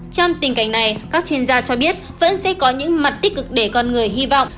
trong tình cảnh này các chuyên gia cho biết vẫn sẽ có những mặt tích cực để con người hy vọng